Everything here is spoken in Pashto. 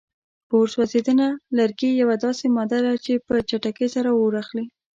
په اور سوځېدنه: لرګي یوه داسې ماده ده چې په چټکۍ سره اور اخلي.